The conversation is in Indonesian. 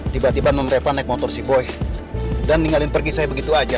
tiba tiba non reva naik motor si boy dan tinggalin pergi saya begitu aja